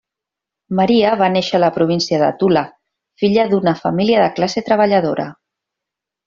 Maria va néixer a la Província de Tula, filla d'una família de classe treballadora.